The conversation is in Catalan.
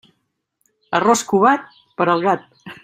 Arròs covat, per al gat.